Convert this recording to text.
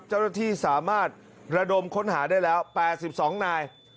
เจ้าหน้าที่สามารถระดมค้นหาได้แล้ว๘๒นาย